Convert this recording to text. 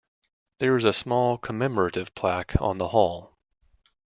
There is a small commemorative plaque on the Hall.